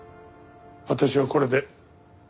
私はこれで。